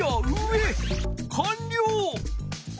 かんりょう！